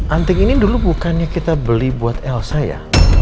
anting ini dulu bukannya kita beli buat elsa ya